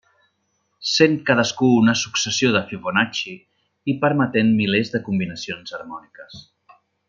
Sent cadascun una successió de Fibonacci i permetent milers de combinacions harmòniques.